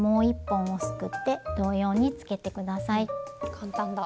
簡単だ！